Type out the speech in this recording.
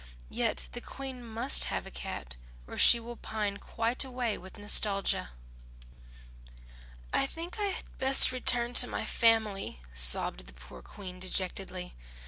Yet the Queen must have a cat or she will pine quite away with nostalgia." "I think I had best return to my family," sobbed the poor Queen, dejectedly.